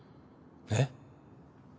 えっ？